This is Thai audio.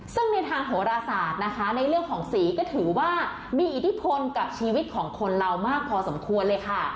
ซึ่งในทางโหรศาสตร์นะคะในเรื่องของสีก็ถือว่ามีอิทธิพลกับชีวิตของคนเรามากพอสมควรเลยค่ะ